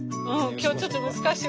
今日ちょっと難しい。